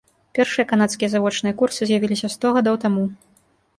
Першыя канадскія завочныя курсы з'явіліся сто гадоў таму.